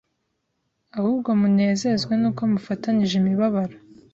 Ahubwo munezezwe n’uko mufatanije imibabaro